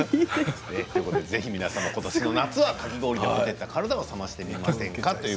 ぜひ皆さんもことしの夏はかき氷でほてった体を冷ましてみませんか。